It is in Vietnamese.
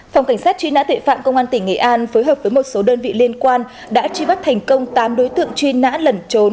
phòng cảnh sát truy nã tội phạm công an tỉnh nghệ an phối hợp với một số đơn vị liên quan đã truy bắt thành công tám đối tượng truy nã lẩn trốn